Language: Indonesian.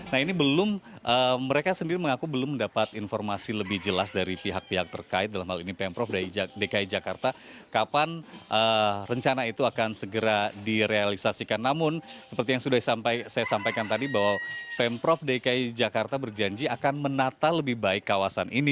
nah ini belum mereka sendiri mengaku belum mendapat informasi lebih jelas dari pihak pihak terkait dalam hal ini pemprov dki jakarta kapan rencana itu akan segera direalisasikan namun seperti yang sudah saya sampaikan tadi bahwa pemprov dki jakarta berjanji akan menata lebih baik kawasan ini